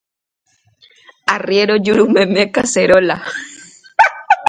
Arriéro jurumeme kaseróla.